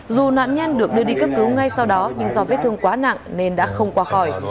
dù nạn nhân được đưa đi cấp cứu ngay sau đó nhưng do vết thương quá nặng nên đã không qua khỏi